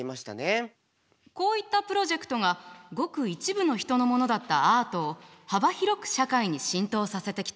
こういったプロジェクトがごく一部の人のものだったアートを幅広く社会に浸透させてきた。